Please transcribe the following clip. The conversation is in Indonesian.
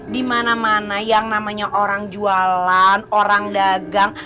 di mana mana yang namanya orang jualan orang dagang